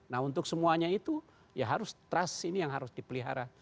nah untuk semuanya itu ya harus trust ini yang harus dipelihara